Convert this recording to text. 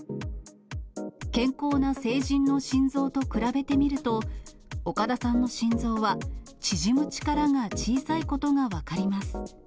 健康な成人の心臓と比べてみると、岡田さんの心臓は、縮む力が小さいことが分かります。